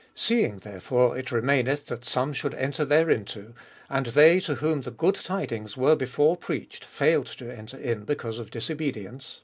6. Seeing therefore it remaineth that some should enter thereinto, and they to whom the good tidings were before preached failed to enter in be cause of disobedience, 7.